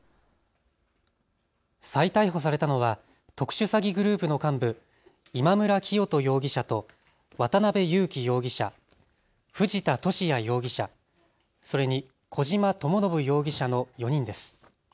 再逮捕されたのは特殊詐欺グループの幹部、今村磨人容疑者と渡邉優樹容疑者、藤田聖也容疑者、それに小島智信容疑者の４人です。